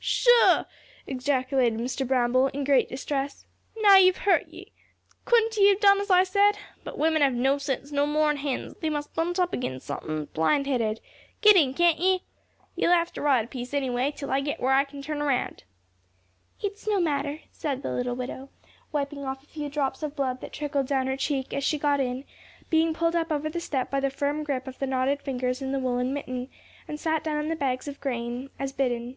"Sho!" ejaculated Mr. Bramble, in great distress, "now ye've hurt ye! Couldn't ye have done as I said? But women have no sense no more'n hens; they must bunt up ag'in' sunthin', blind headed. Get in, can't ye? Ye'll have to ride a piece anyway, till I get where I can turn round." "It's no matter," said the little widow, wiping off a few drops of blood that trickled down her cheek, as she got in, being pulled up over the step by the firm grip of the knotted fingers in the woollen mitten, and sat down on the bags of grain, as bidden.